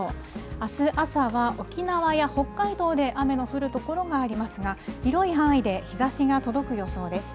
あす朝は沖縄や北海道で雨の降る所がありますが、広い範囲で日ざしが届く予想です。